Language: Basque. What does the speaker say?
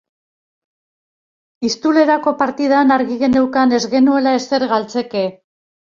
Iztulerako partidan argi geneukan ez genuela ezer galtzeke.